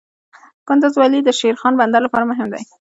کندز ولې د شیرخان بندر لپاره مهم دی؟